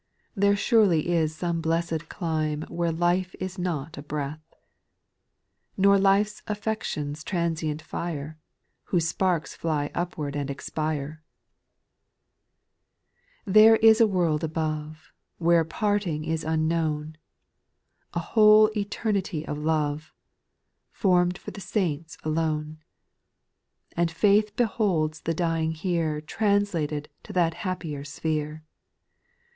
There surely is some blessed clime Where life is not a breath, Nor life's afiections transient fire, Whose sparks fly upward and expire ! 3. There is a world above. Where parting is unknown, A whole eternity of love, Form'd for the saints alone : And faith beholds the dying here Translated to that happier sphere.